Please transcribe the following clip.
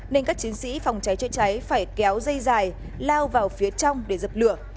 nên các chiến sĩ phòng cháy chữa cháy phải kéo dây dài lao vào phía trong để dập lửa